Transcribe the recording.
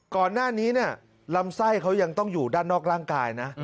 ก่อนหน้านี้เนี่ยลำไส้เขายังต้องอยู่ด้านนอกร่างกายนะ